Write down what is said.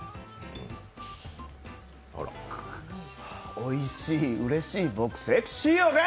おいしい、うれしい僕セクシー！